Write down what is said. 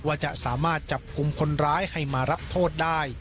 ว่าจะสามารถจับกลุ่มคนร้ายให้มารับโทษได้